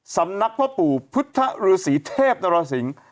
สำนักพ่อปู่พุทธฤษีเทพนรสิงศ์